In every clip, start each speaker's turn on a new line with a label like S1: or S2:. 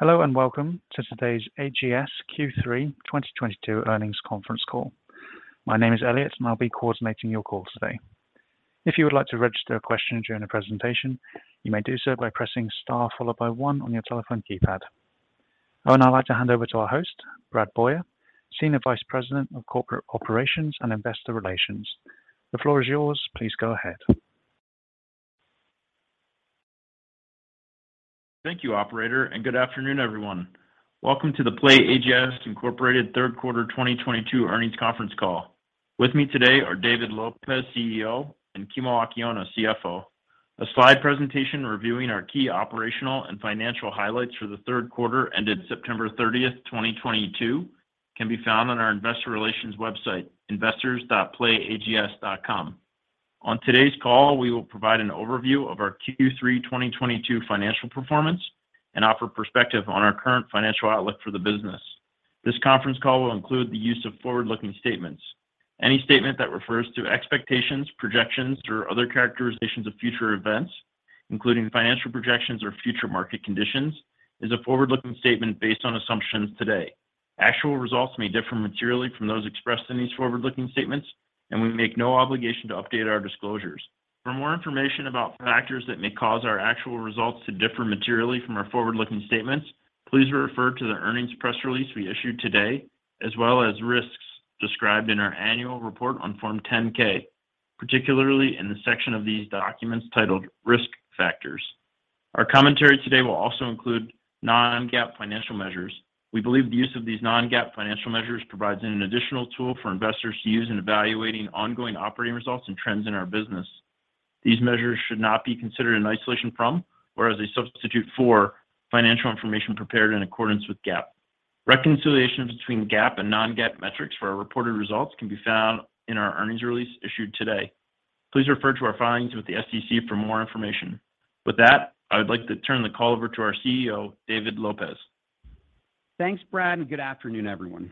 S1: Hello, and welcome to today's AGS Q3 2022 earnings conference call. My name is Elliot, and I'll be coordinating your call today. If you would like to register a question during the presentation, you may do so by pressing star followed by one on your telephone keypad. I would now like to hand over to our host, Brad Boyer, Senior Vice President of Corporate Operations and Investor Relations. The floor is yours. Please go ahead.
S2: Thank you, operator, and good afternoon, everyone. Welcome to the PlayAGS Incorporated third quarter 2022 earnings conference call. With me today are David Lopez, CEO, and Kimo Akiona, CFO. A slide presentation reviewing our key operational and financial highlights for the third quarter ended September 30, 2022 can be found on our investor relations website, investors.playags.com. On today's call, we will provide an overview of our Q3 2022 financial performance and offer perspective on our current financial outlook for the business. This conference call will include the use of forward-looking statements. Any statement that refers to expectations, projections, or other characterizations of future events, including financial projections or future market conditions, is a forward-looking statement based on assumptions today. Actual results may differ materially from those expressed in these forward-looking statements, and we make no obligation to update our disclosures. For more information about factors that may cause our actual results to differ materially from our forward-looking statements, please refer to the earnings press release we issued today, as well as risks described in our annual report on Form 10-K, particularly in the section of these documents titled Risk Factors. Our commentary today will also include non-GAAP financial measures. We believe the use of these non-GAAP financial measures provides an additional tool for investors to use in evaluating ongoing operating results and trends in our business. These measures should not be considered in isolation from or as a substitute for financial information prepared in accordance with GAAP. Reconciliations between GAAP and non-GAAP metrics for our reported results can be found in our earnings release issued today. Please refer to our filings with the SEC for more information. With that, I would like to turn the call over to our CEO, David Lopez.
S3: Thanks, Brad, and good afternoon, everyone.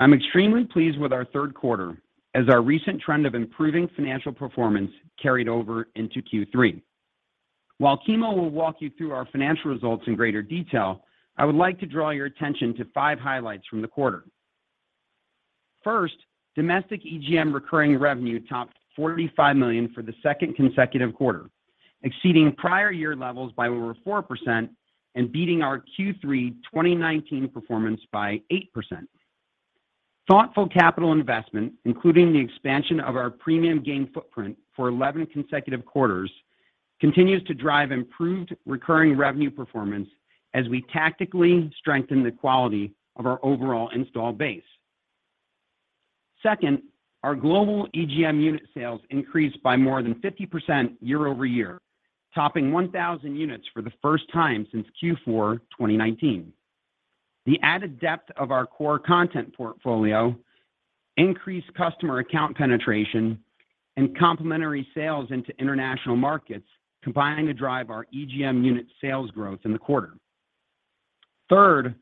S3: I'm extremely pleased with our third quarter as our recent trend of improving financial performance carried over into Q3. While Kimo will walk you through our financial results in greater detail, I would like to draw your attention to five highlights from the quarter. First, domestic EGM recurring revenue topped $45 million for the second consecutive quarter, exceeding prior year levels by over 4% and beating our Q3 2019 performance by 8%. Thoughtful capital investment, including the expansion of our premium game footprint for 11 consecutive quarters, continues to drive improved recurring revenue performance as we tactically strengthen the quality of our overall installed base. Second, our global EGM unit sales increased by more than 50% year-over-year, topping 1,000 units for the first time since Q4 2019. The added depth of our core content portfolio increased customer account penetration and complementary sales into international markets, combining to drive our EGM unit sales growth in the quarter. Third,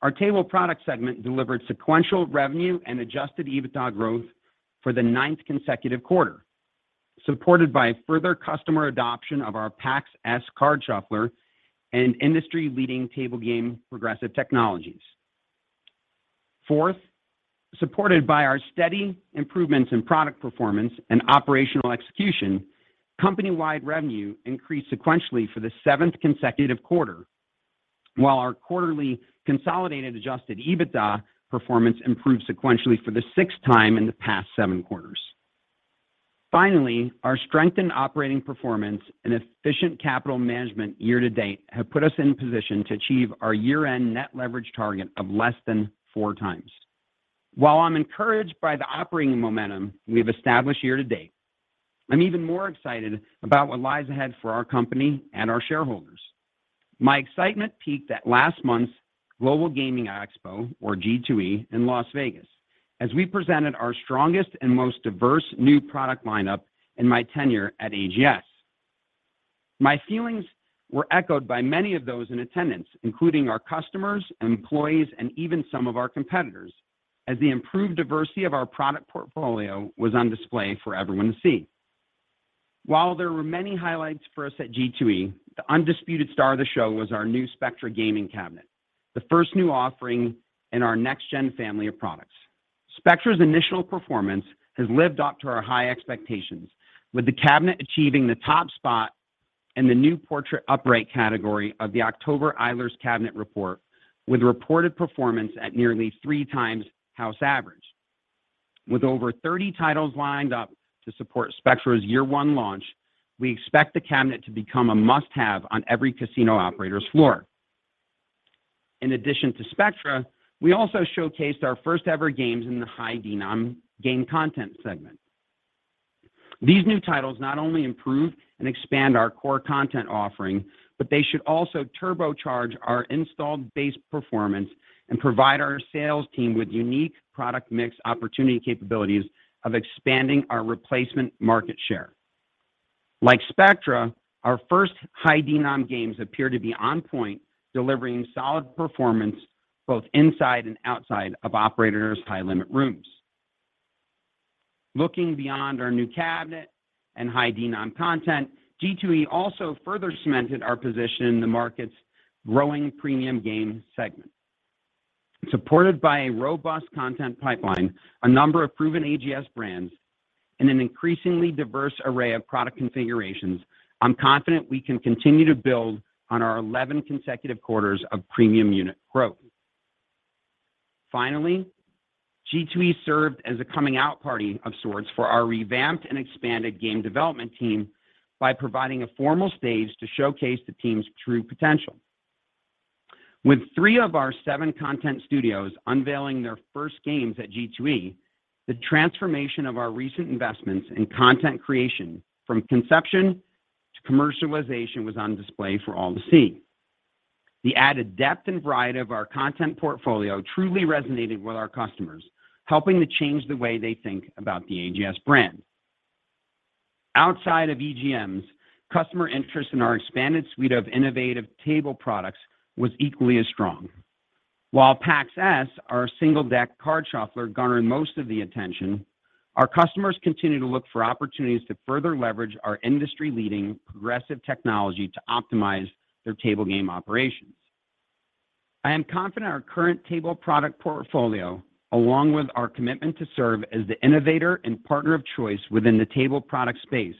S3: our table product segment delivered sequential revenue and adjusted EBITDA growth for the ninth consecutive quarter, supported by further customer adoption of our PAX S card shuffler and industry-leading table game progressive technologies. Fourth, supported by our steady improvements in product performance and operational execution, company-wide revenue increased sequentially for the seventh consecutive quarter, while our quarterly consolidated adjusted EBITDA performance improved sequentially for the sixth time in the past seven quarters. Finally, our strengthened operating performance and efficient capital management year-to-date have put us in position to achieve our year-end net leverage target of less than four times. While I'm encouraged by the operating momentum we've established year-to-date, I'm even more excited about what lies ahead for our company and our shareholders. My excitement peaked at last month's Global Gaming Expo, or G2E, in Las Vegas, as we presented our strongest and most diverse new product lineup in my tenure at AGS. My feelings were echoed by many of those in attendance, including our customers, employees, and even some of our competitors, as the improved diversity of our product portfolio was on display for everyone to see. While there were many highlights for us at G2E, the undisputed star of the show was our new Spectra Gaming cabinet, the first new offering in our next-gen family of products. Spectra's initial performance has lived up to our high expectations, with the cabinet achieving the top spot in the new portrait upright category of the October Eilers cabinet report, with reported performance at nearly three times house average. With over 30 titles lined up to support Spectra's year one launch, we expect the cabinet to become a must-have on every casino operator's floor. In addition to Spectra, we also showcased our first-ever games in the high denom game content segment. These new titles not only improve and expand our core content offering, but they should also turbocharge our installed base performance and provide our sales team with unique product mix opportunity capabilities of expanding our replacement market share. Like Spectra, our first high denom games appear to be on point, delivering solid performance both inside and outside of operators' high-limit rooms. Looking beyond our new cabinet and high denom content, G2E also further cemented our position in the market's growing premium game segment. Supported by a robust content pipeline, a number of proven AGS brands, and an increasingly diverse array of product configurations, I'm confident we can continue to build on our 11 consecutive quarters of premium unit growth. Finally, G2E served as a coming out party of sorts for our revamped and expanded game development team by providing a formal stage to showcase the team's true potential. With three of our seven content studios unveiling their first games at G2E, the transformation of our recent investments in content creation from conception to commercialization was on display for all to see. The added depth and variety of our content portfolio truly resonated with our customers, helping to change the way they think about the AGS brand. Outside of EGMs, customer interest in our expanded suite of innovative table products was equally as strong. While PAX S, our single-deck card shuffler, garnered most of the attention, our customers continue to look for opportunities to further leverage our industry-leading progressive technology to optimize their table game operations. I am confident our current table product portfolio, along with our commitment to serve as the innovator and partner of choice within the table product space,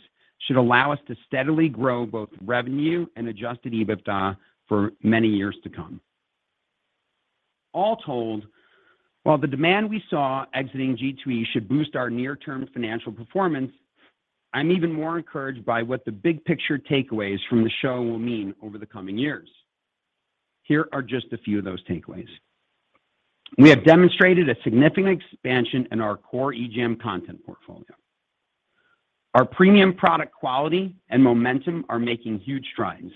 S3: should allow us to steadily grow both revenue and adjusted EBITDA for many years to come. All told, while the demand we saw exiting G2E should boost our near-term financial performance, I'm even more encouraged by what the big-picture takeaways from the show will mean over the coming years. Here are just a few of those takeaways. We have demonstrated a significant expansion in our core EGM content portfolio. Our premium product quality and momentum are making huge strides.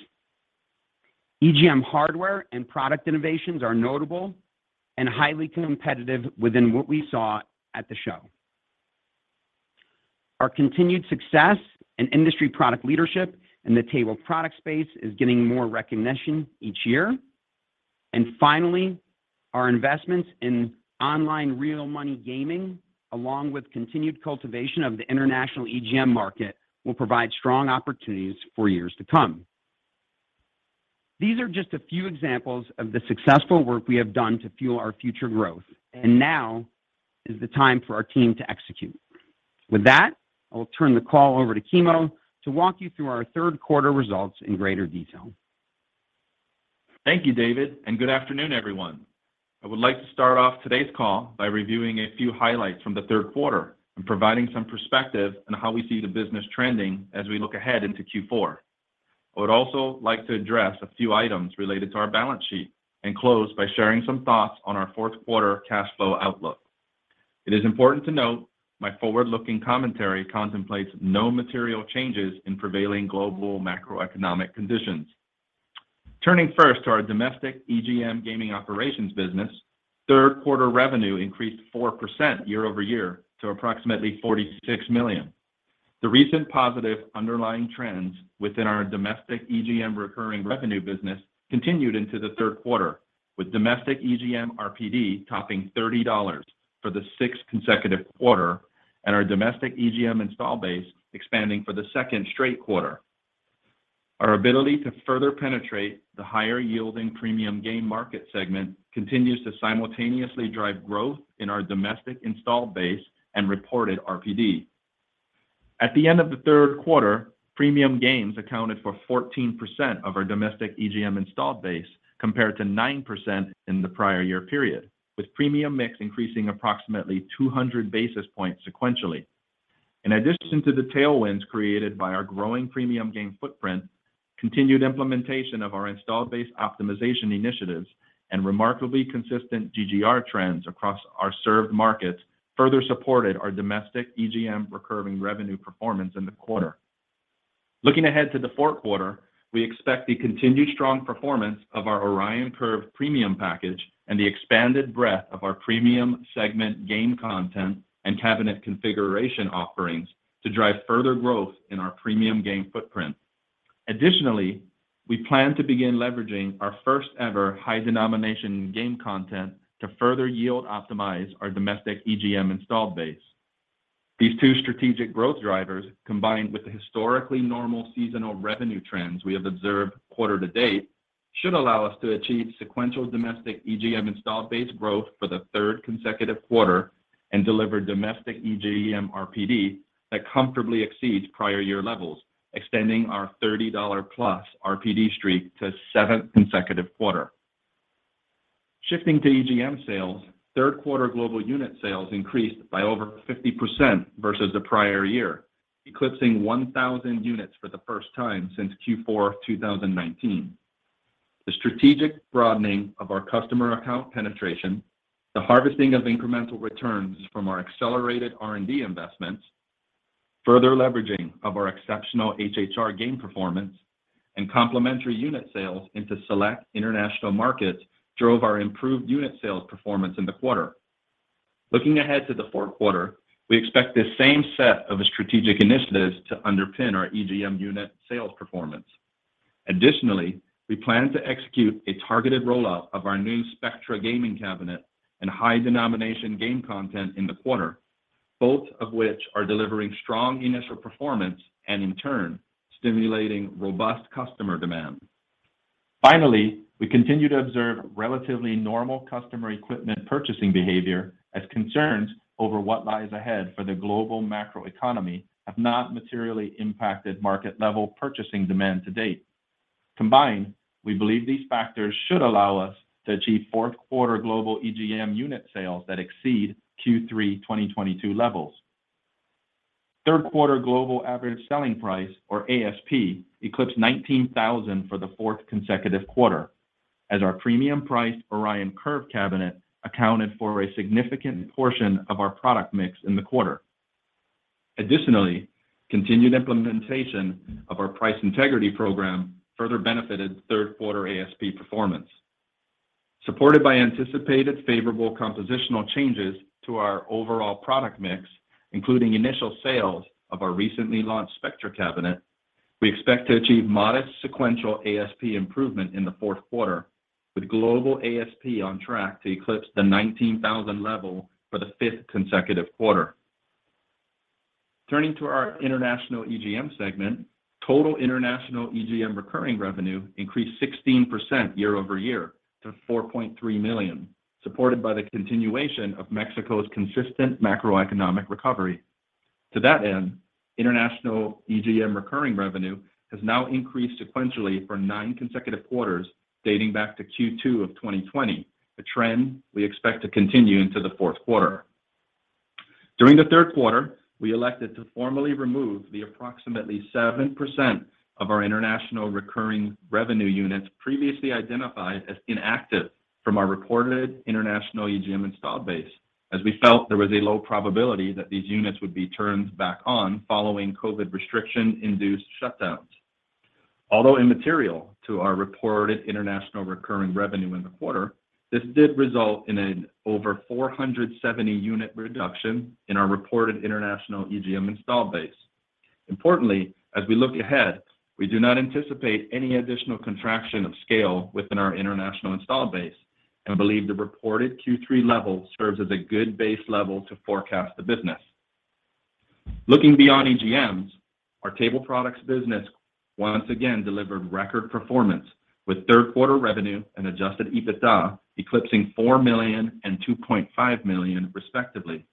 S3: EGM hardware and product innovations are notable and highly competitive within what we saw at the show. Our continued success and industry product leadership in the table product space is getting more recognition each year. Finally, our investments in online real money gaming, along with continued cultivation of the international EGM market, will provide strong opportunities for years to come. These are just a few examples of the successful work we have done to fuel our future growth, and now is the time for our team to execute. With that, I will turn the call over to Kimo to walk you through our third quarter results in greater detail.
S4: Thank you, David, and good afternoon, everyone. I would like to start off today's call by reviewing a few highlights from the third quarter and providing some perspective on how we see the business trending as we look ahead into Q4. I would also like to address a few items related to our balance sheet and close by sharing some thoughts on our fourth quarter cash flow outlook. It is important to note my forward-looking commentary contemplates no material changes in prevailing global macroeconomic conditions. Turning first to our domestic EGM gaming operations business, third quarter revenue increased 4% year-over-year to approximately $46 million. The recent positive underlying trends within our domestic EGM recurring revenue business continued into the third quarter, with domestic EGM RPD topping $30 for the sixth consecutive quarter and our domestic EGM install base expanding for the second straight quarter. Our ability to further penetrate the higher-yielding premium game market segment continues to simultaneously drive growth in our domestic installed base and reported RPD. At the end of the third quarter, premium games accounted for 14% of our domestic EGM installed base, compared to 9% in the prior year period, with premium mix increasing approximately 200 basis points sequentially. In addition to the tailwinds created by our growing premium game footprint, continued implementation of our installed base optimization initiatives, and remarkably consistent GGR trends across our served markets further supported our domestic EGM recurring revenue performance in the quarter. Looking ahead to the fourth quarter, we expect the continued strong performance of our Orion Curve premium package and the expanded breadth of our premium segment game content and cabinet configuration offerings to drive further growth in our premium game footprint. We plan to begin leveraging our first-ever high-denomination game content to further yield optimize our domestic EGM installed base. These two strategic growth drivers, combined with the historically normal seasonal revenue trends we have observed quarter to date, should allow us to achieve sequential domestic EGM installed base growth for the third consecutive quarter and deliver domestic EGM RPD that comfortably exceeds prior year levels, extending our $30-plus RPD streak to a seventh consecutive quarter. Shifting to EGM sales, third quarter global unit sales increased by over 50% versus the prior year, eclipsing 1,000 units for the first time since Q4 2019. The strategic broadening of our customer account penetration, the harvesting of incremental returns from our accelerated R&D investments, further leveraging of our exceptional HHR game performance, and complementary unit sales into select international markets drove our improved unit sales performance in the quarter. Looking ahead to the fourth quarter, we expect this same set of strategic initiatives to underpin our EGM unit sales performance. We plan to execute a targeted rollout of our new Spectra gaming cabinet and high denomination game content in the quarter, both of which are delivering strong initial performance and in turn stimulating robust customer demand. Finally, we continue to observe relatively normal customer equipment purchasing behavior as concerns over what lies ahead for the global macroeconomy have not materially impacted market level purchasing demand to date. Combined, we believe these factors should allow us to achieve fourth quarter global EGM unit sales that exceed Q3 2022 levels. Third quarter global average selling price, or ASP, eclipsed $19,000 for the fourth consecutive quarter, as our premium priced Orion Curve cabinet accounted for a significant portion of our product mix in the quarter. Continued implementation of our price integrity program further benefited third quarter ASP performance. Supported by anticipated favorable compositional changes to our overall product mix, including initial sales of our recently launched Spectra cabinet, we expect to achieve modest sequential ASP improvement in the fourth quarter, with global ASP on track to eclipse the $19,000 level for the fifth consecutive quarter. Turning to our international EGM segment, total international EGM recurring revenue increased 16% year-over-year to $4.3 million, supported by the continuation of Mexico's consistent macroeconomic recovery. To that end, international EGM recurring revenue has now increased sequentially for nine consecutive quarters, dating back to Q2 of 2020, a trend we expect to continue into the fourth quarter. During the third quarter, we elected to formally remove the approximately 7% of our international recurring revenue units previously identified as inactive from our reported international EGM installed base, as we felt there was a low probability that these units would be turned back on following COVID restriction induced shutdowns. Although immaterial to our reported international recurring revenue in the quarter, this did result in an over 470 unit reduction in our reported international EGM installed base. Importantly, as we look ahead, we do not anticipate any additional contraction of scale within our international installed base and believe the reported Q3 level serves as a good base level to forecast the business. Looking beyond EGMs, our table products business once again delivered record performance with third quarter revenue and adjusted EBITDA eclipsing $4 million and $2.5 million respectively.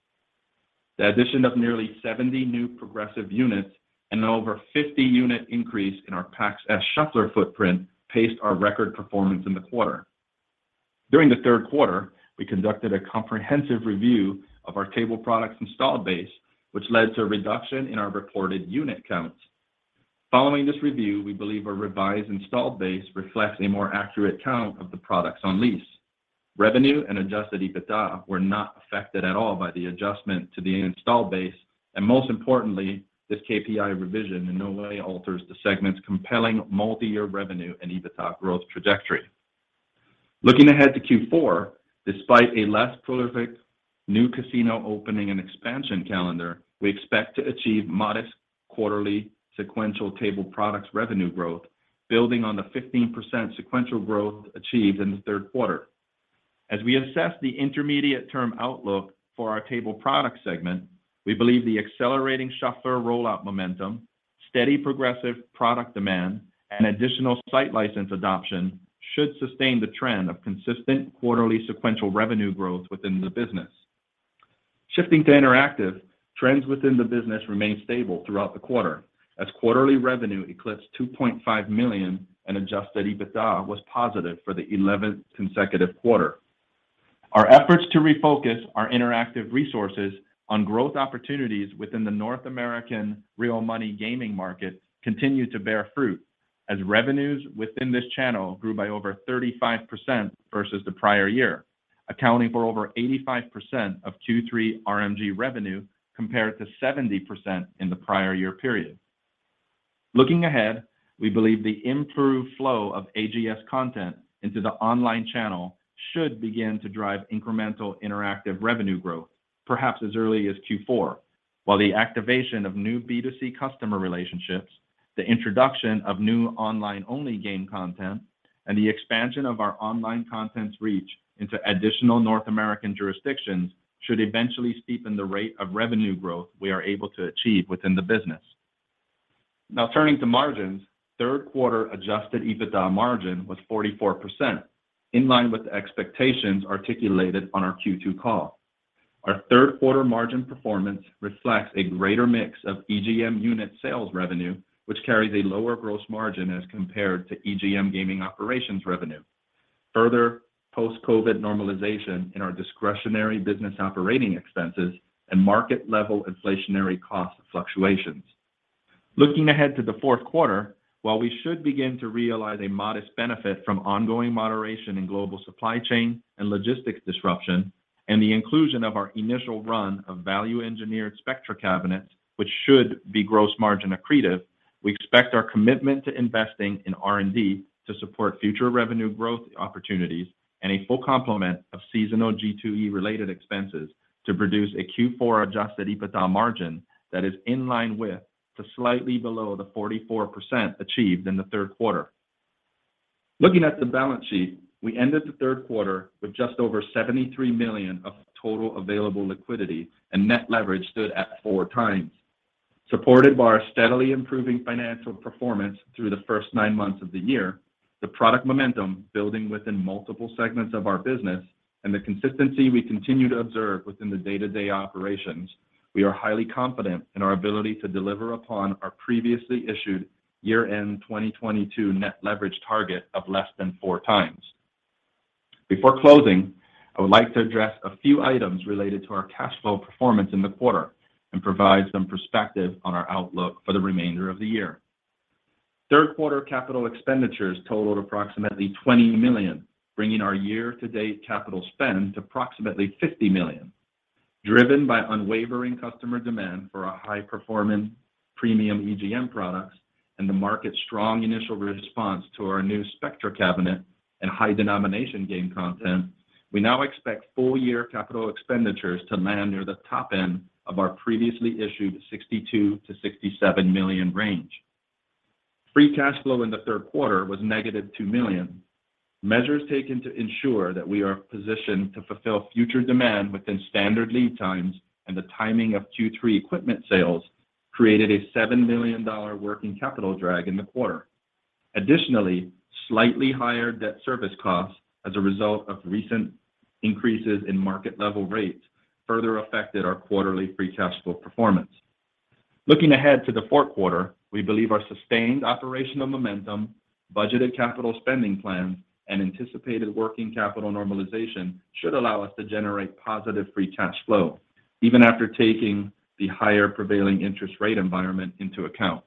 S4: The addition of nearly 70 new progressive units and an over 50 unit increase in our PAX S shuffler footprint paced our record performance in the quarter. During the third quarter, we conducted a comprehensive review of our table products installed base, which led to a reduction in our reported unit counts. Following this review, we believe our revised installed base reflects a more accurate count of the products on lease. Revenue and adjusted EBITDA were not affected at all by the adjustment to the installed base. Most importantly, this KPI revision in no way alters the segment's compelling multi-year revenue and EBITDA growth trajectory. Looking ahead to Q4, despite a less prolific new casino opening and expansion calendar, we expect to achieve modest quarterly sequential table products revenue growth building on the 15% sequential growth achieved in the third quarter. As we assess the intermediate term outlook for our table products segment, we believe the accelerating shuffler rollout momentum, steady progressive product demand, and additional site license adoption should sustain the trend of consistent quarterly sequential revenue growth within the business. Shifting to interactive, trends within the business remained stable throughout the quarter as quarterly revenue eclipsed $2.5 million and adjusted EBITDA was positive for the 11th consecutive quarter. Our efforts to refocus our interactive resources on growth opportunities within the North American real money gaming market continue to bear fruit as revenues within this channel grew by over 35% versus the prior year, accounting for over 85% of Q3 RMG revenue compared to 70% in the prior year period. Looking ahead, we believe the improved flow of AGS content into the online channel should begin to drive incremental interactive revenue growth, perhaps as early as Q4. While the activation of new B2C customer relationships, the introduction of new online-only game content, and the expansion of our online content's reach into additional North American jurisdictions should eventually steepen the rate of revenue growth we are able to achieve within the business. Now turning to margins, third quarter adjusted EBITDA margin was 44%, in line with the expectations articulated on our Q2 call. Our third quarter margin performance reflects a greater mix of EGM unit sales revenue, which carries a lower gross margin as compared to EGM gaming operations revenue. Further, post-COVID normalization in our discretionary business operating expenses and market-level inflationary cost fluctuations. Looking ahead to the fourth quarter, while we should begin to realize a modest benefit from ongoing moderation in global supply chain and logistics disruption and the inclusion of our initial run of value-engineered Spectra cabinets, which should be gross margin accretive, we expect our commitment to investing in R&D to support future revenue growth opportunities and a full complement of seasonal G2E-related expenses to produce a Q4 adjusted EBITDA margin that is in line with to slightly below the 44% achieved in the third quarter. Looking at the balance sheet, we ended the third quarter with just over $73 million of total available liquidity, and net leverage stood at four times, supported by our steadily improving financial performance through the first nine months of the year, the product momentum building within multiple segments of our business, and the consistency we continue to observe within the day-to-day operations. We are highly confident in our ability to deliver upon our previously issued year-end 2022 net leverage target of less than four times. Before closing, I would like to address a few items related to our cash flow performance in the quarter and provide some perspective on our outlook for the remainder of the year. Third quarter capital expenditures totaled approximately $20 million, bringing our year-to-date capital spend to approximately $50 million. Driven by unwavering customer demand for our high-performing premium EGM products and the market's strong initial response to our new Spectra cabinet and high-denomination game content, we now expect full-year capital expenditures to land near the top end of our previously issued $62 million-$67 million range. Free cash flow in the third quarter was negative $2 million. Measures taken to ensure that we are positioned to fulfill future demand within standard lead times and the timing of Q3 equipment sales created a $7 million working capital drag in the quarter. Additionally, slightly higher debt service costs as a result of recent increases in market level rates further affected our quarterly free cash flow performance. Looking ahead to the fourth quarter, we believe our sustained operational momentum, budgeted capital spending plans, and anticipated working capital normalization should allow us to generate positive free cash flow even after taking the higher prevailing interest rate environment into account.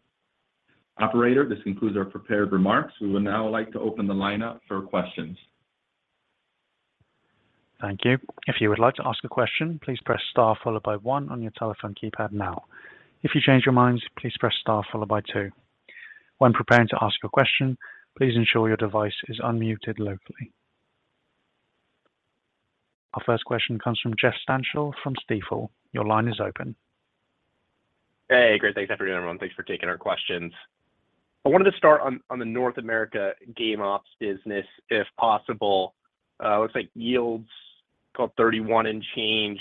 S4: Operator, this concludes our prepared remarks. We would now like to open the line up for questions.
S1: Thank you. If you would like to ask a question, please press star followed by one on your telephone keypad now. If you change your mind, please press star followed by two. When preparing to ask a question, please ensure your device is unmuted locally. Our first question comes from Jeff Stantial from Stifel. Your line is open.
S5: Great. Thanks, everyone. Thanks for taking our questions. I wanted to start on the North America game ops business, if possible. It looks like yields got $31 and change,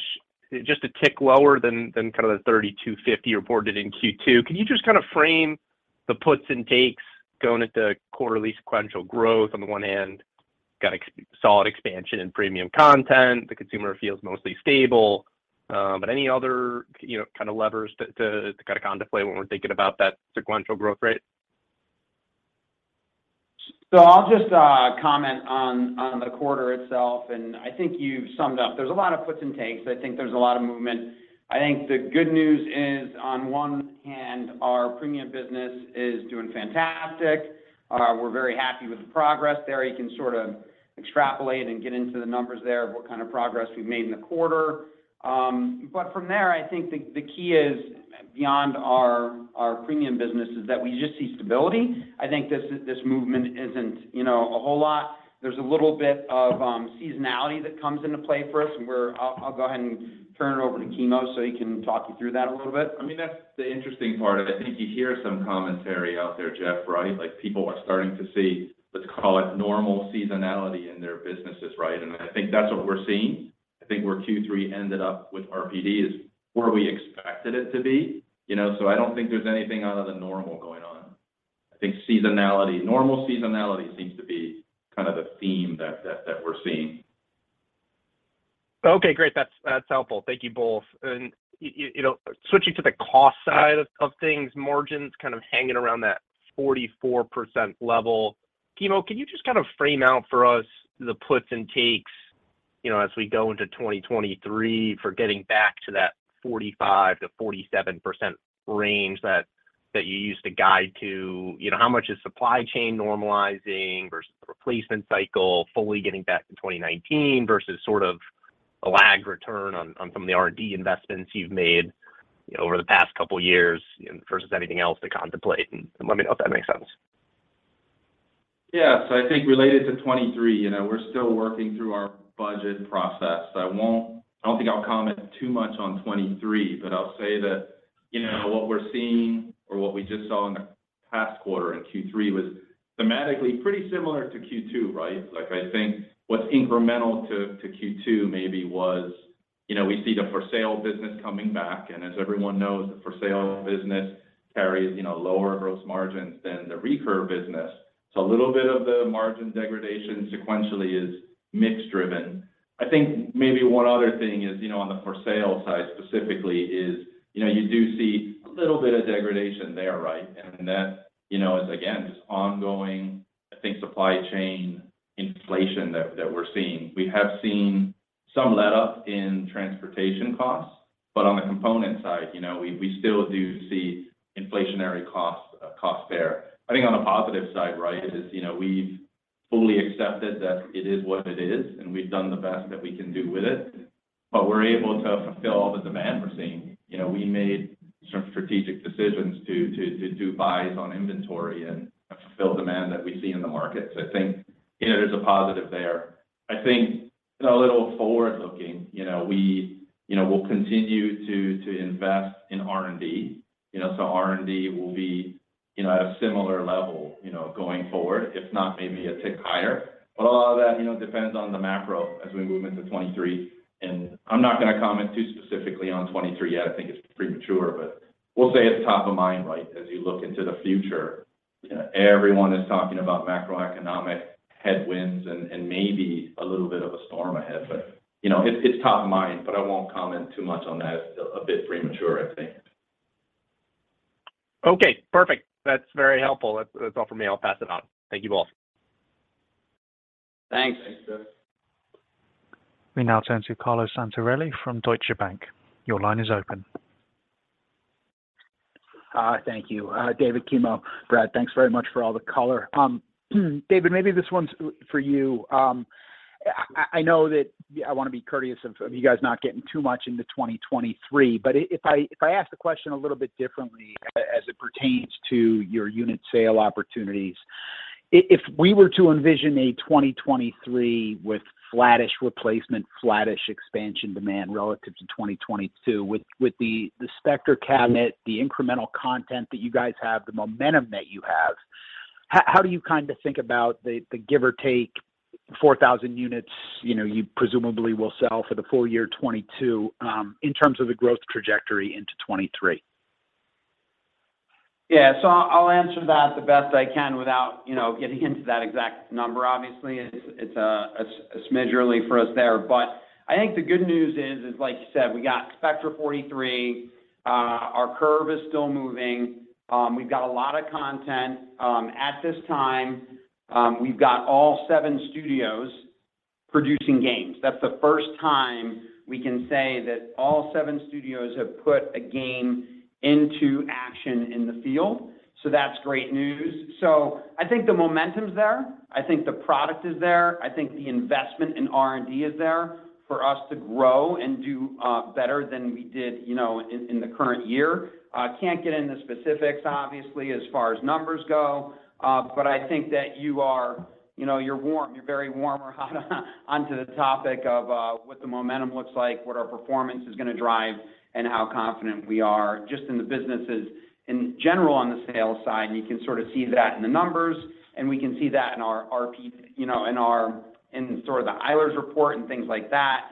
S5: just a tick lower than the $32.50 reported in Q2. Can you just frame the puts and takes going at the quarterly sequential growth on the one hand, got a solid expansion in premium content. The consumer feels mostly stable. Any other levers to contemplate when we're thinking about that sequential growth rate?
S3: I'll just comment on the quarter itself, and I think you've summed up. There's a lot of puts and takes. I think there's a lot of movement. I think the good news is, on one hand, our premium business is doing fantastic. We're very happy with the progress there. You can extrapolate and get into the numbers there of what kind of progress we've made in the quarter. From there, I think the key is, beyond our premium business, is that we just see stability. I think this movement isn't a whole lot. There's a little bit of seasonality that comes into play for us, and I'll go ahead and turn it over to Kimo so he can talk you through that a little bit.
S4: That's the interesting part of it. I think you hear some commentary out there, Jeff, right? People are starting to see, let's call it normal seasonality in their businesses, right? I think that's what we're seeing. I think where Q3 ended up with RPD is where we expected it to be. I don't think there's anything out of the normal going on. I think normal seasonality seems to be the theme that we're seeing.
S5: Great. That's helpful. Thank you both. Switching to the cost side of things, margins hanging around that 44% level. Kimo, can you just frame out for us the puts and takes as we go into 2023 for getting back to that 45%-47% range that you used to guide to, how much is supply chain normalizing versus the replacement cycle fully getting back to 2019, versus a lag return on some of the R&D investments you've made over the past couple of years, versus anything else to contemplate, and let me know if that makes sense.
S4: I think related to 2023, we're still working through our budget process. I don't think I'll comment too much on 2023, but I'll say that what we're seeing or what we just saw in the past quarter in Q3 was thematically pretty similar to Q2. I think what's incremental to Q2 maybe was we see the for sale business coming back, and as everyone knows, the for sale business carries lower gross margins than the recur business. A little bit of the margin degradation sequentially is mix-driven. I think maybe one other thing is on the for sale side specifically is you do see a little bit of degradation there. That is again, just ongoing, I think, supply chain inflation that we're seeing. We have seen some letup in transportation costs, but on the component side, we still do see inflationary costs there. I think on the positive side, right, is we've fully accepted that it is what it is, and we've done the best that we can do with it. We're able to fulfill all the demand we're seeing. We made some strategic decisions to do buys on inventory and fulfill demand that we see in the markets. I think there's a positive there.
S3: A little forward-looking. We'll continue to invest in R&D. R&D will be at a similar level going forward, if not maybe a tick higher. A lot of that depends on the macro as we move into 2023. I'm not going to comment too specifically on 2023 yet. I think it's premature, but we'll say it's top of mind. As you look into the future. Everyone is talking about macroeconomic headwinds and maybe a little bit of a storm ahead. It's top of mind, but I won't comment too much on that. A bit premature, I think.
S5: Okay, perfect. That's very helpful. That's all from me. I'll pass it on. Thank you both.
S3: Thanks.
S4: Thanks.
S1: We now turn to Carlo Santarelli from Deutsche Bank. Your line is open.
S6: Thank you. David, Kimo, Brad, thanks very much for all the color. David, maybe this one's for you. I know that I want to be courteous of you guys not getting too much into 2023, but if I ask the question a little bit differently as it pertains to your unit sale opportunities. If we were to envision a 2023 with flattish replacement, flattish expansion demand relative to 2022, with the Spectra cabinet, the incremental content that you guys have, the momentum that you have, how do you think about the give or take 4,000 units you presumably will sell for the full year 2022, in terms of the growth trajectory into 2023?
S3: Yeah. I'll answer that the best I can without getting into that exact number. Obviously, it's a smidge early for us there. I think the good news is, like you said, we got Spectra 43. Our Curve is still moving. We've got a lot of content. At this time, we've got all seven studios producing games. That's the first time we can say that all seven studios have put a game into action in the field. That's great news. I think the momentum's there. I think the product is there. I think the investment in R&D is there for us to grow and do better than we did in the current year. Can't get into specifics, obviously, as far as numbers go. I think that you're warm, you're very warm or hot onto the topic of what the momentum looks like, what our performance is going to drive, and how confident we are just in the businesses in general on the sales side. You can sort of see that in the numbers, and we can see that in sort of the Eilers report and things like that.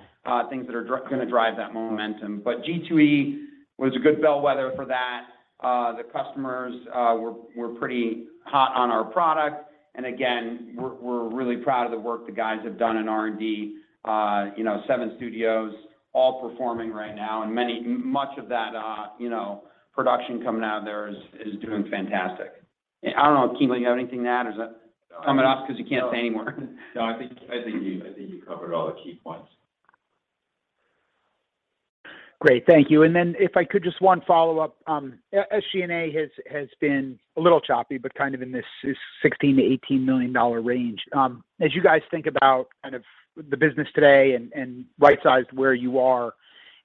S3: Things that are going to drive that momentum. G2E was a good bellwether for that. The customers were pretty hot on our product, and again, we're really proud of the work the guys have done in R&D. Seven studios all performing right now, and much of that production coming out of there is doing fantastic. I don't know, Kimo, you have anything to add? Is that coming off because you can't say any more?
S6: Great. Thank you. If I could, just one follow-up. SG&A has been a little choppy, but kind of in this $16 million-$18 million range. As you guys think about kind of the business today and right-sized where you are,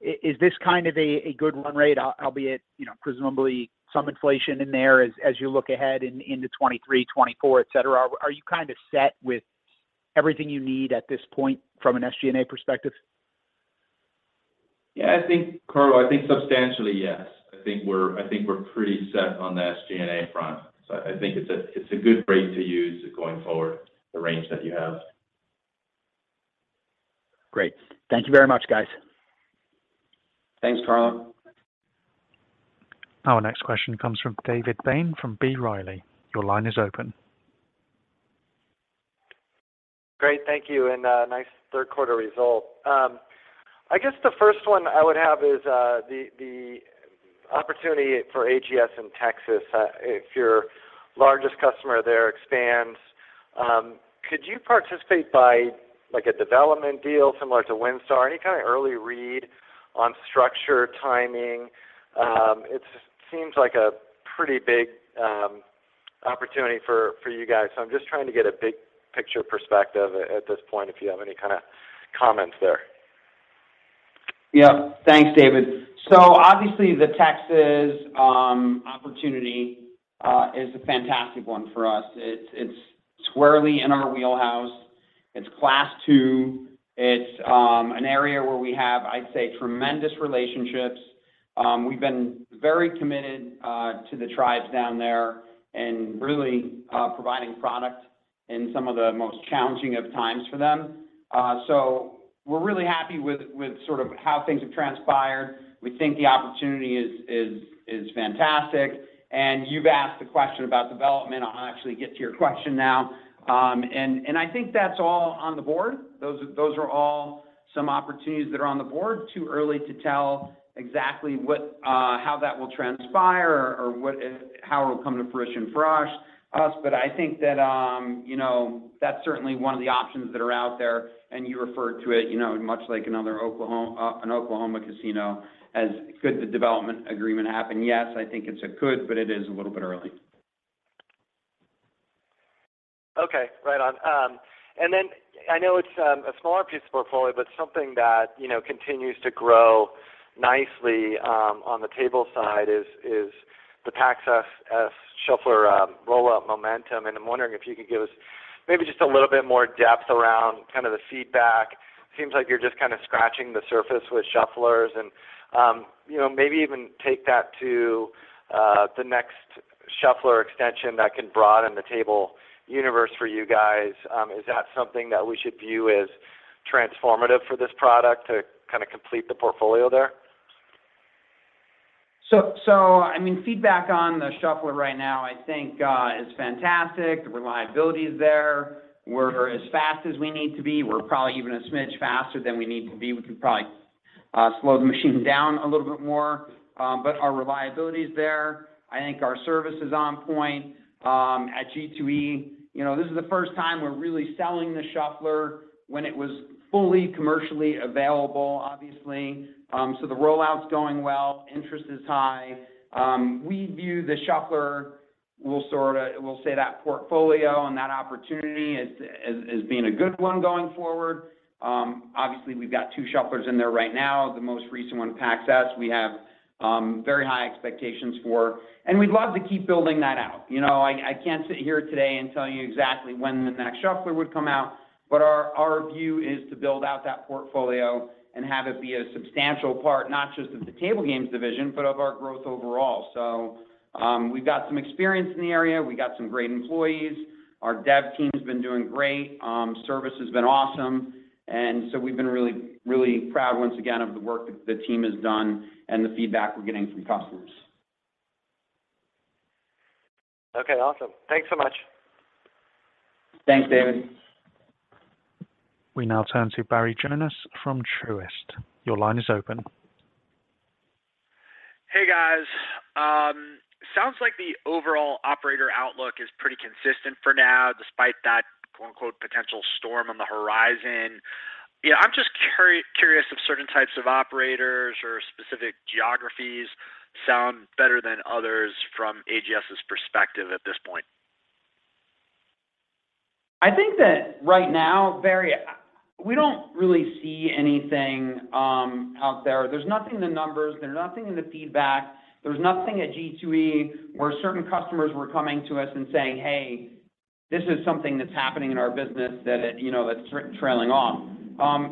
S6: is this kind of a good run rate, albeit presumably some inflation in there as you look ahead into 2023, 2024, et cetera? Are you kind of set with everything you need at this point from an SG&A perspective?
S4: I think, Carlo, I think substantially, yes. I think we're pretty set on the SG&A front. I think it's a good rate to use going forward, the range that you have.
S6: Great. Thank you very much, guys.
S3: Thanks, Carlo.
S1: Our next question comes from David Bain from B. Riley. Your line is open.
S7: Great. Thank you, and nice third quarter result. I guess the first one I would have is the opportunity for AGS in Texas. If your largest customer there expands, could you participate by a development deal similar to WinStar? Any kind of early read on structure, timing? I'm just trying to get a big-picture perspective at this point, if you have any kind of comments there.
S3: Yep. Thanks, David. Obviously the Texas opportunity is a fantastic one for us. It's squarely in our wheelhouse. It's Class II. It's an area where we have, I'd say, tremendous relationships. We've been very committed to the tribes down there and really providing product in some of the most challenging of times for them. We're really happy with sort of how things have transpired. We think the opportunity is fantastic. You've asked the question about development. I'll actually get to your question now. I think that's all on the board. Those are all some opportunities that are on the board. Too early to tell exactly how that will transpire or how it will come to fruition for us. I think that's certainly one of the options that are out there. You referred to it much like an Oklahoma casino as could the development agreement happen? Yes, I think it's a could, but it is a little bit early.
S7: Okay. Right on. I know it's a smaller piece of portfolio, but something that continues to grow nicely on the table side is the PAX S Shuffler rollout momentum, and I'm wondering if you could give us maybe just a little bit more depth around the feedback. It seems like you're just scratching the surface with Shufflers and maybe even take that to the next Shuffler extension that can broaden the table universe for you guys. Is that something that we should view as transformative for this product to complete the portfolio there?
S3: Feedback on the Shuffler right now, I think, is fantastic. The reliability is there. We're as fast as we need to be. We're probably even a smidge faster than we need to be. We could probably slow the machine down a little bit more. Our reliability is there. I think our service is on point. At G2E, this is the first time we're really selling the Shuffler when it was fully commercially available, obviously. The rollout's going well, interest is high. We view the Shuffler, we'll say that portfolio and that opportunity as being a good one going forward. Obviously, we've got two Shufflers in there right now. The most recent one, PAX S, we have very high expectations for, and we'd love to keep building that out. I can't sit here today and tell you exactly when the next Shuffler would come out, but our view is to build out that portfolio and have it be a substantial part, not just of the table games division, but of our growth overall. We've got some experience in the area. We got some great employees. Our dev team's been doing great. Service has been awesome. We've been really proud once again of the work that the team has done and the feedback we're getting from customers.
S7: Okay, awesome. Thanks so much.
S3: Thanks, David.
S1: We now turn to Barry Jonas from Truist. Your line is open.
S8: Hey, guys. Sounds like the overall operator outlook is pretty consistent for now, despite that, quote-unquote, potential storm on the horizon. I'm just curious if certain types of operators or specific geographies sound better than others from AGS's perspective at this point.
S3: I think that right now, Barry, we don't really see anything out there. There's nothing in the numbers. There's nothing in the feedback. There's nothing at G2E where certain customers were coming to us and saying, "Hey, this is something that's happening in our business that's trailing off."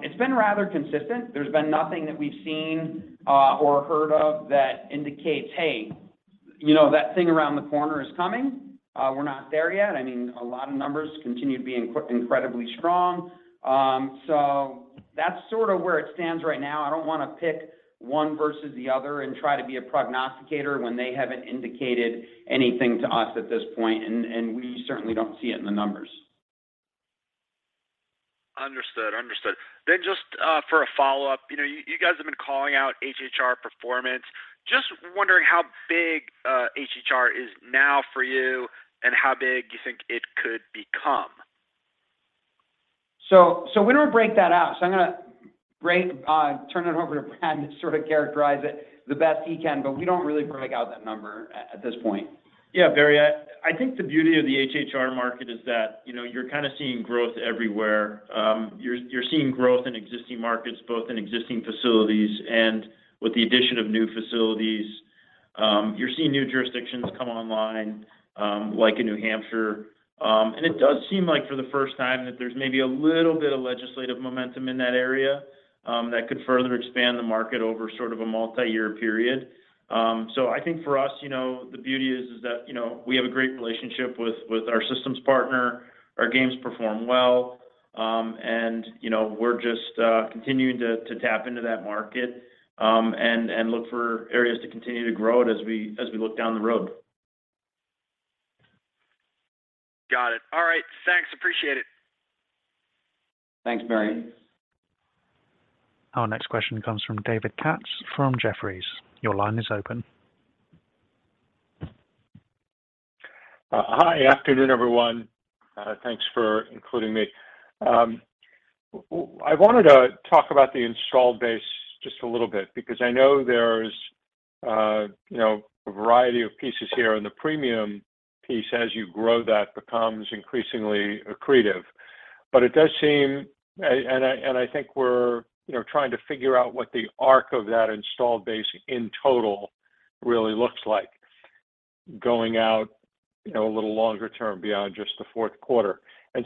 S3: It's been rather consistent. There's been nothing that we've seen or heard of that indicates, hey, that thing around the corner is coming. We're not there yet. A lot of numbers continue to be incredibly strong. That's sort of where it stands right now. I don't want to pick one versus the other and try to be a prognosticator when they haven't indicated anything to us at this point, and we certainly don't see it in the numbers.
S8: Understood. Just for a follow-up, you guys have been calling out HHR performance. Just wondering how big HHR is now for you and how big you think it could become.
S3: We don't break that out. I'm going to turn it over to Brad to sort of characterize it the best he can, but we don't really break out that number at this point.
S2: Yeah, Barry, I think the beauty of the HHR market is that you're kind of seeing growth everywhere. You're seeing growth in existing markets, both in existing facilities and with the addition of new facilities. You're seeing new jurisdictions come online, like in New Hampshire. It does seem like for the first time that there's maybe a little bit of legislative momentum in that area that could further expand the market over sort of a multi-year period. I think for us, the beauty is that we have a great relationship with our systems partner. Our games perform well, and we're just continuing to tap into that market, and look for areas to continue to grow it as we look down the road.
S8: Got it. All right. Thanks, appreciate it.
S3: Thanks, Barry.
S1: Our next question comes from David Katz from Jefferies. Your line is open.
S9: Hi. Afternoon, everyone. Thanks for including me. I wanted to talk about the install base just a little bit because I know there's a variety of pieces here, and the premium piece, as you grow that becomes increasingly accretive. It does seem, and I think we're trying to figure out what the arc of that installed base in total really looks like going out a little longer term beyond just the fourth quarter.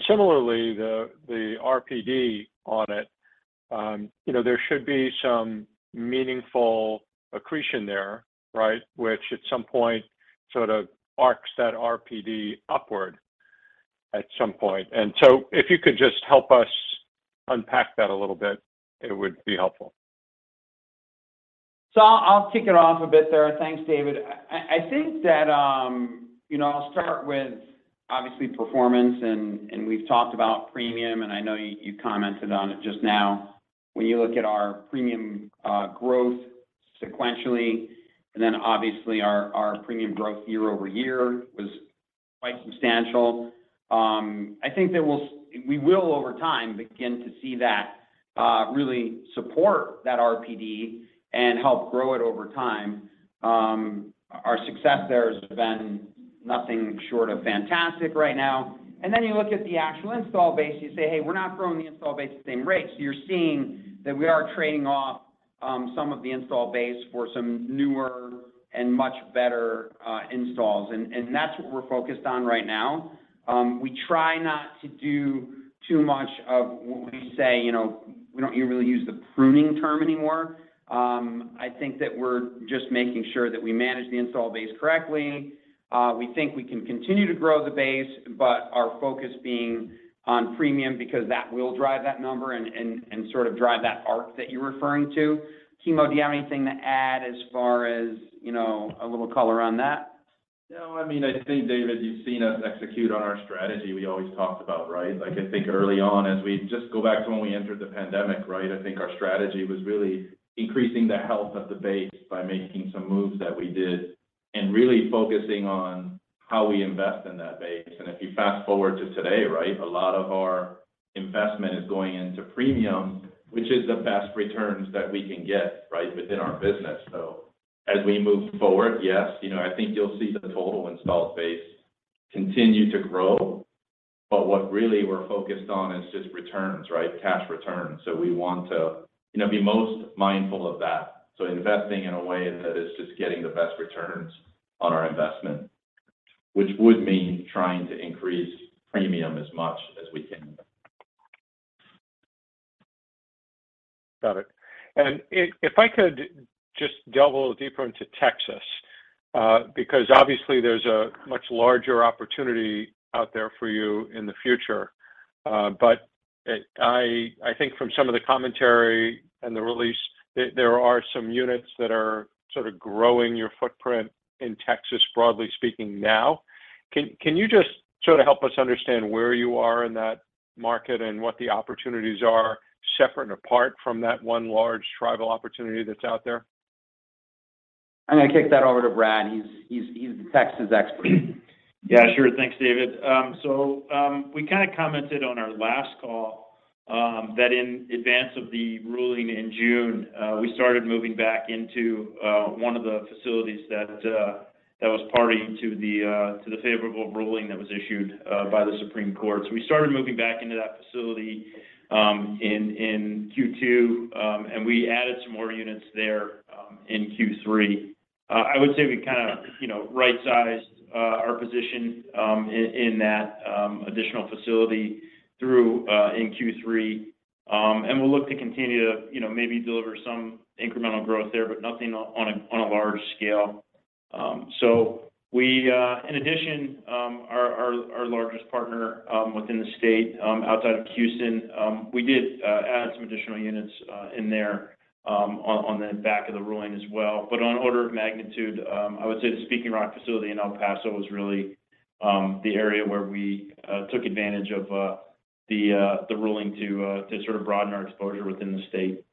S9: Similarly, the RPD on it, there should be some meaningful accretion there, right? Which at some point sort of arcs that RPD upward at some point. If you could just help us unpack that a little bit, it would be helpful.
S3: I'll kick it off a bit there. Thanks, David. I'll start with, obviously, performance and we've talked about premium, and I know you commented on it just now. When you look at our premium growth sequentially, and then obviously our premium growth year-over-year was quite substantial. I think that we will over time begin to see that really support that RPD and help grow it over time. Our success there has been nothing short of fantastic right now. Then you look at the actual install base, you say, "Hey, we're not growing the install base at the same rate." You're seeing that we are trading off some of the install base for some newer and much better installs. That's what we're focused on right now. We try not to do too much of what we say. We don't even really use the pruning term anymore. I think that we're just making sure that we manage the install base correctly. We think we can continue to grow the base, but our focus being on premium because that will drive that number and sort of drive that arc that you're referring to. Kimo, do you have anything to add as far as a little color on that?
S4: I think, David, you've seen us execute on our strategy we always talked about, right? I think early on as we just go back to when we entered the pandemic, I think our strategy was really increasing the health of the base by making some moves that we did and really focusing on how we invest in that base. If you fast-forward to today, a lot of our investment is going into premium, which is the best returns that we can get within our business. As we move forward, yes, I think you'll see the total install base continue to grow, but what really we're focused on is just returns. Cash returns. We want to be most mindful of that. Investing in a way that is just getting the best returns on our investment, which would mean trying to increase premium as much as we can.
S9: Got it. If I could just delve a little deeper into Texas, because obviously there's a much larger opportunity out there for you in the future. I think from some of the commentary and the release, there are some units that are sort of growing your footprint in Texas, broadly speaking now. Can you just sort of help us understand where you are in that market and what the opportunities are separate and apart from that one large tribal opportunity that's out there?
S3: I'm going to kick that over to Brad. He's the Texas expert.
S2: Yeah, sure. Thanks, David. We kind of commented on our last call that in advance of the ruling in June, we started moving back into one of the facilities that was party to the favorable ruling that was issued by the Supreme Court. We started moving back into that facility in Q2, and we added some more units there in Q3. I would say we kind of right-sized our position in that additional facility through in Q3. We'll look to continue to maybe deliver some incremental growth there, but nothing on a large scale. In addition, our largest partner within the state outside of Houston, we did add some additional units in there on the back of the ruling as well. On order of magnitude, I would say the Speaking Rock facility in El Paso was really the area where we took advantage of the ruling to sort of broaden our exposure within the state.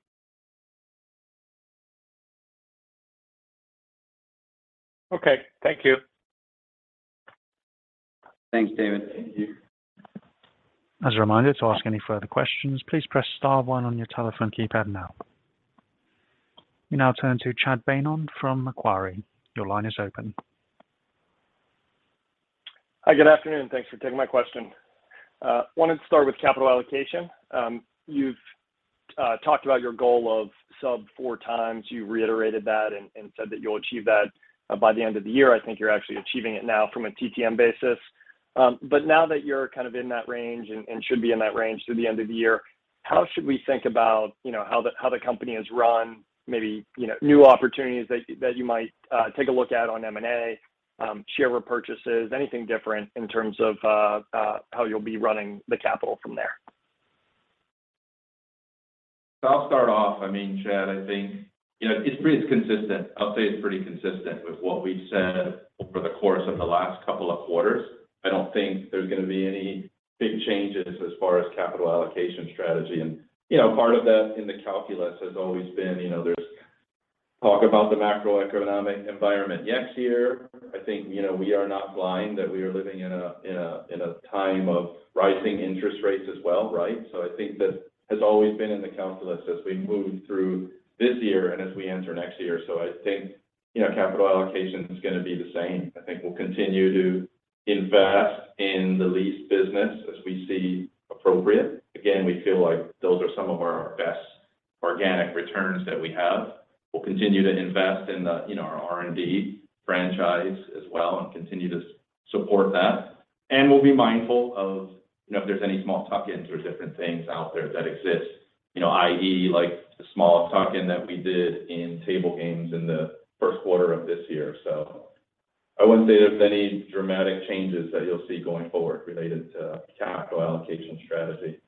S9: Okay. Thank you.
S3: Thanks, David.
S4: Thank you.
S1: As a reminder, to ask any further questions, please press star one on your telephone keypad now. We now turn to Chad Beynon from Macquarie. Your line is open.
S10: Hi, good afternoon. Thanks for taking my question. Wanted to start with capital allocation. You've talked about your goal of sub-four times. You reiterated that and said that you'll achieve that by the end of the year. I think you're actually achieving it now from a TTM basis. Now that you're kind of in that range and should be in that range through the end of the year, how should we think about how the company is run? Maybe new opportunities that you might take a look at on M&A, share repurchases, anything different in terms of how you'll be running the capital from there?
S4: I'll start off. Chad, I think it's pretty consistent. I'll say it's pretty consistent with what we've said over the course of the last couple of quarters. I don't think there's going to be any big changes as far as capital allocation strategy. Part of that in the calculus has always been, there's talk about the macroeconomic environment next year. I think we are not blind that we are living in a time of rising interest rates as well. I think that has always been in the calculus as we move through this year and as we enter next year. I think capital allocation is going to be the same. I think we'll continue to invest in the lease business as we see appropriate. Again, we feel like those are some of our best organic returns that we have. We'll continue to invest in our R&D franchise as well and continue to support that, we'll be mindful of if there's any small tuck-ins or different things out there that exist. I.e., like the small tuck-in that we did in table games in the first quarter of this year. I wouldn't say there's any dramatic changes that you'll see going forward related to capital allocation strategy.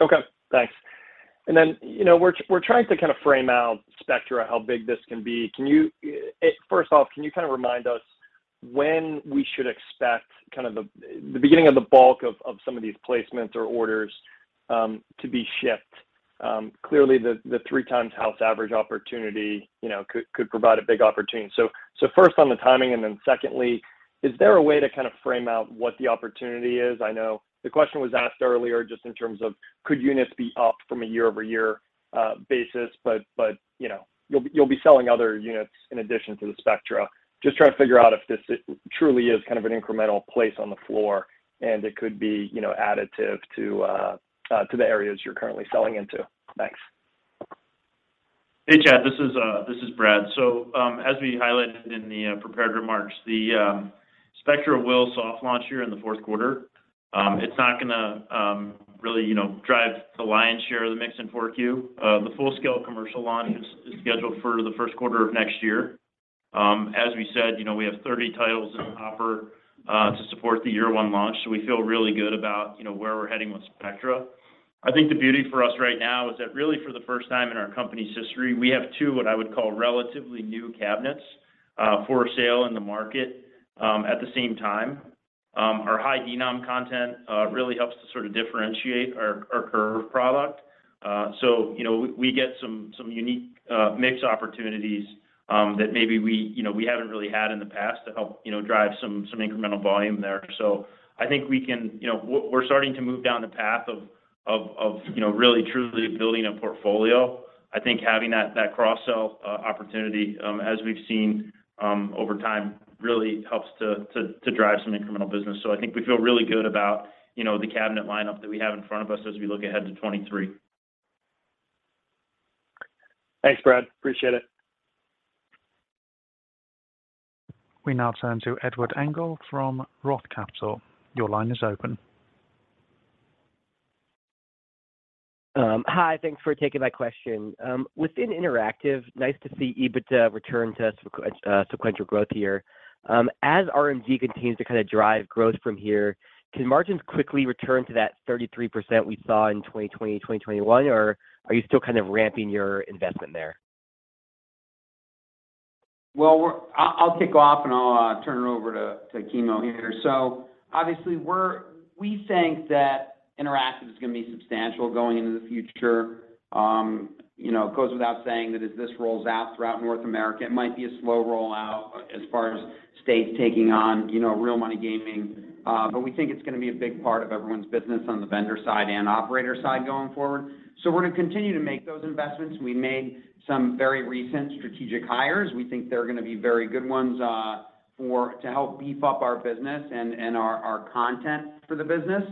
S10: Okay, thanks. We're trying to kind of frame out Spectra how big this can be. First off, can you kind of remind us when we should expect kind of the beginning of the bulk of some of these placements or orders to be shipped? Clearly, the three times house average opportunity could provide a big opportunity. First on the timing, and then secondly, is there a way to frame out what the opportunity is? I know the question was asked earlier just in terms of could units be up from a year-over-year basis, but you'll be selling other units in addition to the Spectra. Just trying to figure out if this truly is an incremental place on the floor, and it could be additive to the areas you're currently selling into. Thanks.
S2: Hey, Chad. This is Brad. As we highlighted in the prepared remarks, the Spectra will soft launch here in the fourth quarter. It's not going to really drive the lion's share of the mix in 4Q. The full-scale commercial launch is scheduled for the first quarter of next year. As we said, we have 30 titles in the hopper to support the year one launch, we feel really good about where we're heading with Spectra. I think the beauty for us right now is that really for the first time in our company's history, we have two, what I would call, relatively new cabinets for sale in the market at the same time. Our high denom content really helps to differentiate our curve product. We get some unique mix opportunities that maybe we haven't really had in the past to help drive some incremental volume there. I think we're starting to move down the path of really truly building a portfolio. I think having that cross-sell opportunity, as we've seen over time, really helps to drive some incremental business. I think we feel really good about the cabinet lineup that we have in front of us as we look ahead to 2023.
S10: Thanks, Brad. Appreciate it.
S1: We now turn to Edward Engel from Roth Capital. Your line is open.
S11: Hi, thanks for taking my question. Within interactive, nice to see EBITDA return to sequential growth here. As RMG continues to drive growth from here, can margins quickly return to that 33% we saw in 2020, 2021, or are you still ramping your investment there?
S3: I'll kick off, and I'll turn it over to Kimo here. Obviously, we think that interactive is going to be substantial going into the future. It goes without saying that as this rolls out throughout North America, it might be a slow rollout as far as states taking on real money gaming. We think it's going to be a big part of everyone's business on the vendor side and operator side going forward. We're going to continue to make those investments. We made some very recent strategic hires. We think they're going to be very good ones to help beef up our business and our content for the business.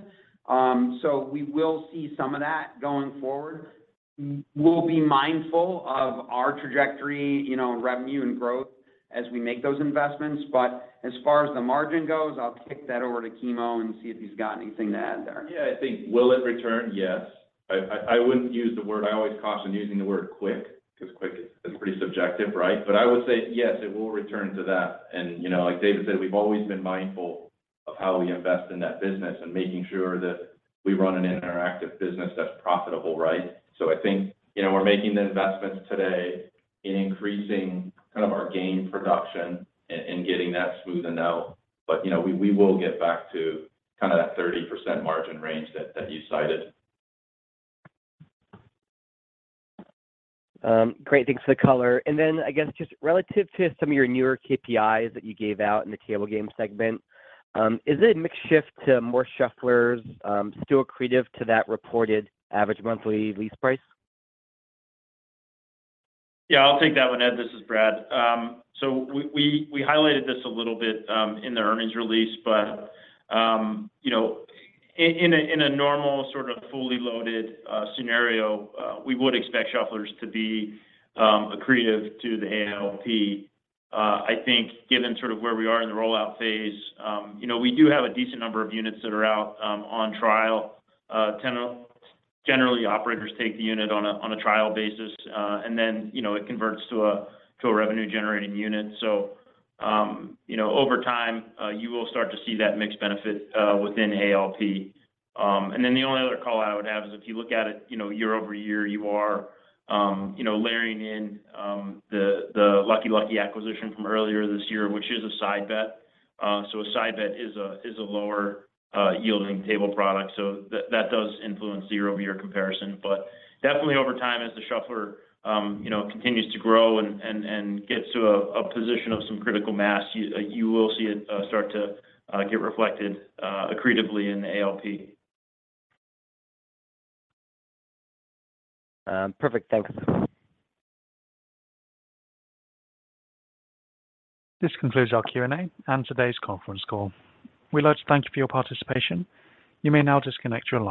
S3: We will see some of that going forward. We'll be mindful of our trajectory, revenue and growth as we make those investments. As far as the margin goes, I'll kick that over to Kimo and see if he's got anything to add there.
S4: I think will it return? Yes. I always caution using the word quick, because quick is pretty subjective, right? I would say yes, it will return to that. Like David said, we've always been mindful of how we invest in that business and making sure that we run an interactive business that's profitable, right? I think we're making the investments today in increasing our game production and getting that smoothened out. We will get back to that 30% margin range that you cited.
S11: Great, thanks for the color. Then I guess just relative to some of your newer KPIs that you gave out in the table game segment, is it a mix shift to more shufflers, still accretive to that reported average monthly lease price?
S2: Yeah, I'll take that one, Ed. This is Brad. We highlighted this a little bit in the earnings release, but in a normal sort of fully loaded scenario, we would expect shufflers to be accretive to the ALP. I think given where we are in the rollout phase, we do have a decent number of units that are out on trial. Generally, operators take the unit on a trial basis, and then it converts to a revenue-generating unit. Over time, you will start to see that mix benefit within ALP. The only other call-out I would have is if you look at it year-over-year, you are layering in the Lucky Lucky acquisition from earlier this year, which is a side bet. A side bet is a lower yielding table product. That does influence the year-over-year comparison. Definitely over time, as the shuffler continues to grow and gets to a position of some critical mass, you will see it start to get reflected accretively in ALP.
S11: Perfect. Thanks.
S1: This concludes our Q&A and today's conference call. We'd like to thank you for your participation. You may now disconnect your line.